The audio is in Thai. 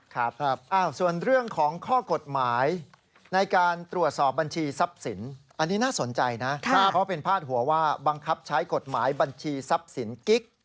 ก็เป็นภาษาหัวว่าบังคับใช้กฎหมายบัญชีทรัพย์สินกิ๊ก